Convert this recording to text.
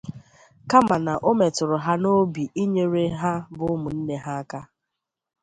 kama na o metụrụ ha n'obi inyere ha bụ ụmụnne ha aka